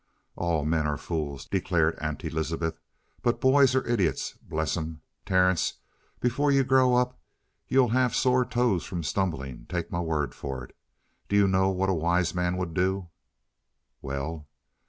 "All men are fools," declared Aunt Elizabeth; "but boys are idiots, bless 'em! Terence, before you grow up you'll have sore toes from stumbling, take my word for it! Do you know what a wise man would do?" "Well?"